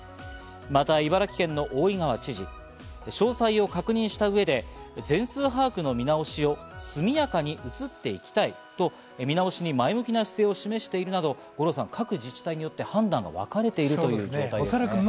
また、茨城県の大井川知事、詳細を確認した上で全数把握の見直しを速やかに移っていきたいと見直しに前向きな姿勢を示しているなど、各自治体によって判断がわかれているということです、五郎さん。